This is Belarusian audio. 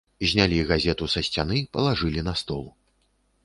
Знялі газету са сцяны, палажылі на стол.